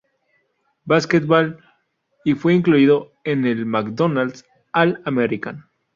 Basketball" y fue incluido en el McDonald's All-American.